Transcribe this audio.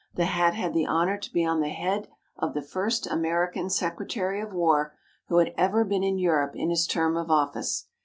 The hat had the honor to be on the head of the first American Secretary of War who had ever been in Europe in his term of office.